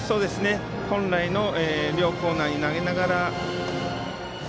本来の両コーナーに投げながら。